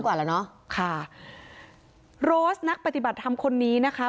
กว่าแล้วเนอะค่ะโรสนักปฏิบัติธรรมคนนี้นะคะ